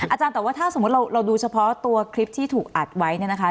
อาจารย์แต่ว่าถ้าสมมุติเราดูเฉพาะตัวคลิปที่ถูกอัดไว้เนี่ยนะคะ